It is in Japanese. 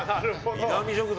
南食堂